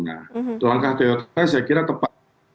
nah langkah prioritas saya kira tepat